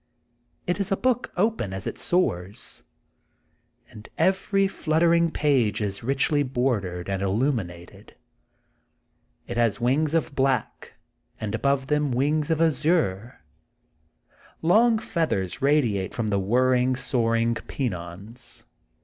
It is a book open as it soars, and every flutter ing page is richly bordered and illuminated. It has wings of black, and above them wings of azure. Long feathers radiate from the whirring, soaring pennons.